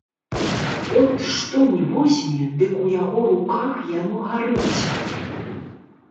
От што ні возьме, дык у яго руках яно гарыць.